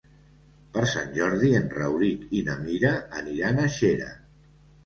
Per Sant Jordi en Rauric i na Mira aniran a Xera.